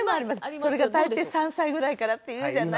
それが大抵３歳ぐらいからっていうじゃない。